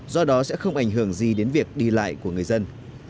do đó sẽ không ảnh hưởng gì đến việc đi lại của người dân